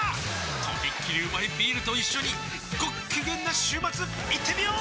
とびっきりうまいビールと一緒にごっきげんな週末いってみよー！